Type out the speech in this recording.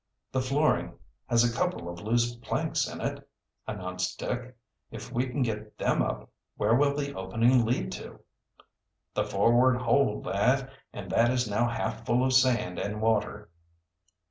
"The flooring has a couple of loose planks in it," announced. Dick. "If we can get them up, where will the opening lead to?" "The forward hold, lad, and that is now half full of sand and water."